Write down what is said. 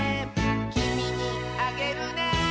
「きみにあげるね」